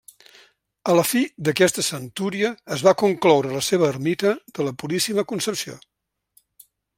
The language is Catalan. A la fi d'aquesta centúria es va concloure la seva ermita de la Puríssima Concepció.